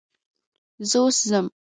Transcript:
زه اوس ځم .